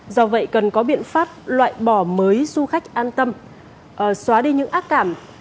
do vậy cần có biện pháp loại bỏ mới du khách an tâm xóa đi những ác cảm